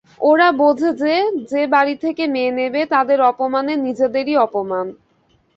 ওরা বোঝে যে, যে বাড়ি থেকে মেয়ে নেবে তাদের অপমানে নিজেদেরই অপমান।